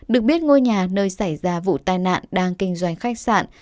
được biết ngôi nhà nơi xảy ra vụ tai nạn đang kinh doanh khách sạn